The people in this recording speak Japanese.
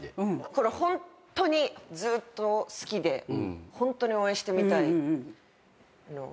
これホントにずっと好きでホントにお会いしてみたい。